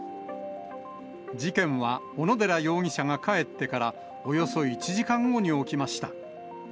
事件は小野寺容疑者が帰ってから、およそ１時間後に起きました。